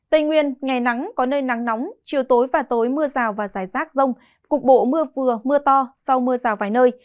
tây nguyên ngày nắng có nơi nắng nóng chiều tối và tối mưa rào và rải rác rông cục bộ mưa vừa mưa to sau mưa rào vài nơi